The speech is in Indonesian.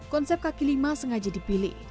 konsep kaki lima sengaja dipilih